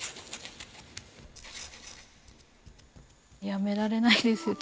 やめられないですよ